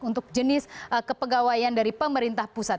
untuk jenis kepegawaian dari pemerintah pusat